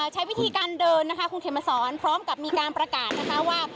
ใช้วิธีการเดินนะคะคุณเขมสอนพร้อมกับมีการประกาศนะคะว่า